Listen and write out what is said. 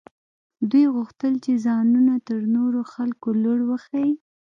دوی غوښتل چې ځانونه تر نورو خلکو لوړ وښيي.